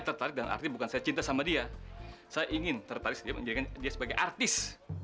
tertarik dan arti bukan saya cinta sama dia saya ingin tertarik dia sebagai artis